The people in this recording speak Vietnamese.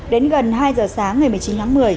đến gần hai giờ sáng ngày một mươi chín tháng một mươi